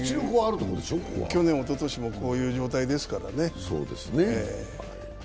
去年、おととしもこういう状態ですからね。